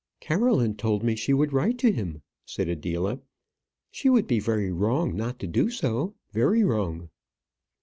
"Caroline told me she would write to him," said Adela: "she would be very wrong not to do so very wrong."